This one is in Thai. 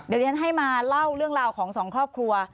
เดี๋ยวดิฉันให้มาเล่าเรื่องราวของสองครอบครัว